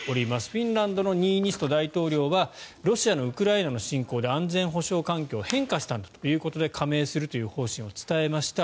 フィンランドのニーニスト大統領はロシアのウクライナの侵攻で安全保障環境が変化したんだということで加盟するという方針を伝えました。